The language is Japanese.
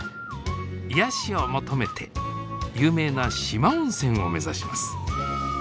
癒やしを求めて有名な四万温泉を目指します